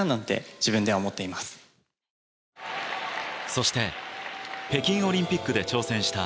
そして、北京オリンピックで挑戦した